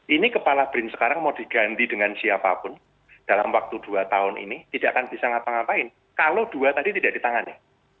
ini kepala brin sekarang mau diganti dengan siapapun dalam waktu dua tahun ini tidak akan bisa ngapa ngapain kalau dua tadi tidak ditangani